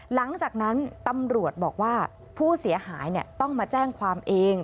หลังจากนั้นตำรวจบอกว่าผู้เสียหายต้องมาแจ้งความเอง